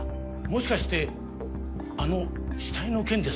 もしかしてあの死体の件ですか？